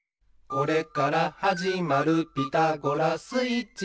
「これからはじまるピタゴラスイッチは」